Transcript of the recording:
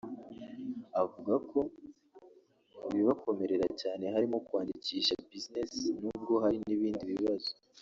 avuga ko mu bibakomerera cyane harimo kwandikisha bizinesi n’ubwo hari n’ibindi bibazo